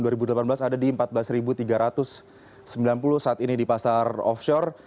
ada di empat belas tiga ratus sembilan puluh saat ini di pasar offshore